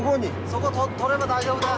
そこ取れば大丈夫だ。